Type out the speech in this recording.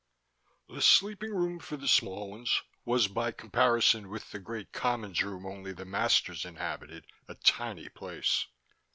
3 The sleeping room for the Small Ones was, by comparison with the great Commons Room only the masters inhabited, a tiny place.